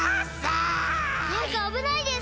マイカあぶないです！